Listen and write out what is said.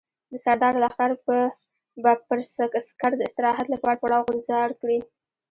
د سردار لښکر به پر سکر د استراحت لپاره پړاو غورځار کړي.